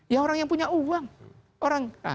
ya orang yang punya uang